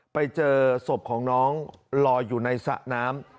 ไปเจอศพของน้องลอยอยู่ในสระน้ำ